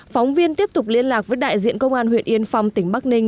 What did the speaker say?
phóng viên tiếp tục liên lạc với đại diện công an huyện yên phong tỉnh bắc ninh